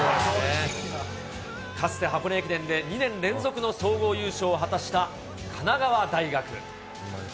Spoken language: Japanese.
かつて箱根駅伝で２年連続の総合優勝を果たした神奈川大学。